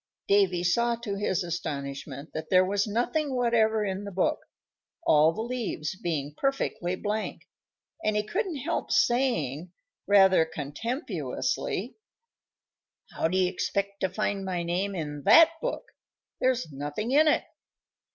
Davy saw, to his astonishment, that there was nothing whatever in the book, all the leaves being perfectly blank, and he couldn't help saying, rather contemptuously: "How do you expect to find my name in that book? There's nothing in it."